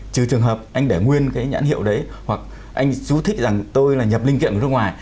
trừ trường hợp anh để nguyên cái nhãn hiệu đấy hoặc anh chú thích rằng tôi là nhập linh kiện của nước ngoài